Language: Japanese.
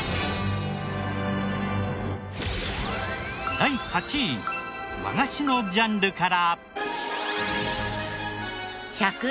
第８位和菓子のジャンルから。